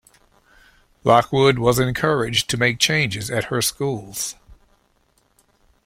Lockwood was encouraged to make changes at her schools.